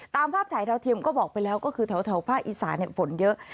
ภาพถ่ายดาวเทียมก็บอกไปแล้วก็คือแถวภาคอีสานฝนเยอะ